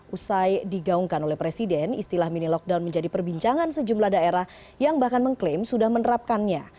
usai digaungkan oleh presiden istilah mini lockdown menjadi perbincangan sejumlah daerah yang bahkan mengklaim sudah menerapkannya